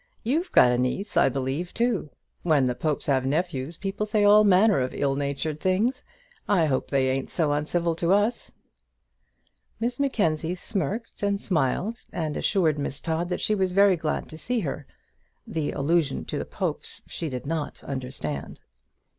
You've got a niece, I believe, too. When the Popes have nephews, people say all manner of ill natured things. I hope they ain't so uncivil to us." Miss Mackenzie smirked and smiled, and assured Miss Todd that she was very glad to see her. The allusion to the Popes she did not understand.